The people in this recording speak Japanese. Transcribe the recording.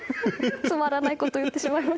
つまらないことを言ってしまいました。